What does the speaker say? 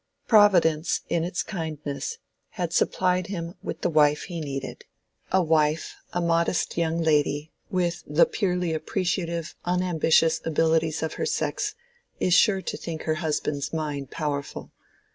Providence, in its kindness, had supplied him with the wife he needed. A wife, a modest young lady, with the purely appreciative, unambitious abilities of her sex, is sure to think her husband's mind powerful.